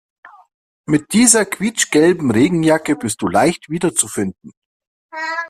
Mit dieser quietschgelben Regenjacke bist du leicht wiederzufinden.